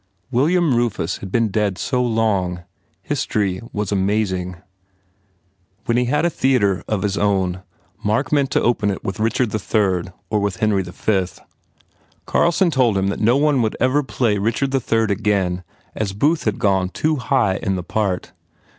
William Rufus had been dead so long. History was amazing. ... When he had a theatre of his own Mark meant to open it with Richard III or with Henry V. Carlson told him that no one would ever play Richard III again as Booth had gone too high in the part.